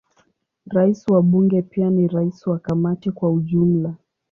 Rais wa Bunge pia ni rais wa Kamati kwa ujumla.